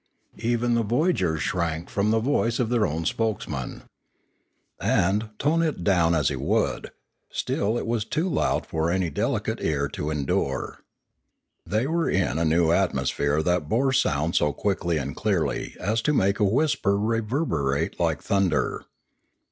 Even the voyagers shrank from the voice of their own spokesman. And, tone it down as he would, still was it too loud for any delicate ear to endure. They were in a new atmosphere that bore sound so quickly and clearly as to make a whisper reverberate like thunder.